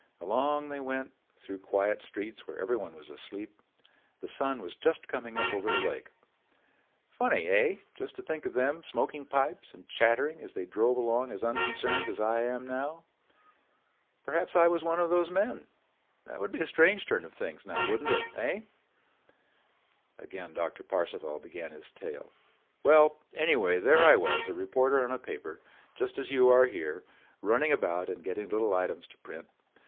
Along they went through quiet streets where everyone was asleep. The sun was just coming up over the lake. Funny, eh—just to think of them smoking pipes and chattering as they drove along as unconcerned as I am now. Perhaps I was one of those men. That would be a strange turn of things, now wouldn't it, eh?" Again Doctor Parcival began his tale: "Well, anyway there I was, a reporter on a paper just as you are here, running about and getting little items to print.